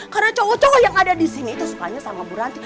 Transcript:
karena cowok cowok yang ada di sini itu sukanya sama bu ranti